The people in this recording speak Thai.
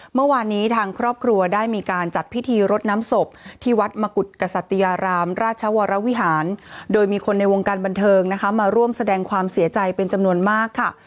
เมื่อวานนี้ทางครอบครัวได้มีการจัดพิธีรดน้ำศพที่วัดมกุฎกษัตยารามราชวรวิหารโดยมีคนในวงการบันเทิงนะคะมาร่วมแสดงความเสียใจเป็นจำนวนมากค่ะ